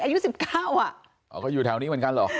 อายุ๑๙อ่ะอ๋อก็อยู่แถวนี้เหมือนกันเหรอ